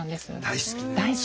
大好き。